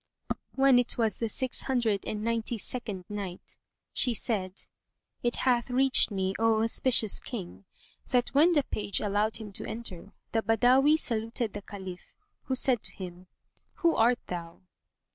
When it was the Six Hundred and Ninety second Night, She said, It hath reached me, O auspicious King, that when the page allowed him to enter, the Badawi saluted the Caliph, who said to him, "Who art thou?"